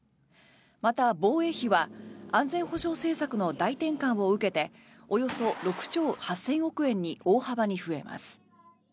また、防衛費は安全保障政策の大転換を受けておよそ６兆８０００億円に大幅に増えます。